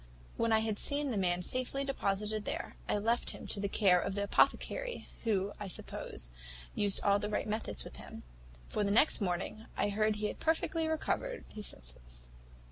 "When I had seen the man safely deposited there, I left him to the care of the apothecary; who, I suppose, used all the right methods with him, for the next morning I heard he had perfectly recovered his senses.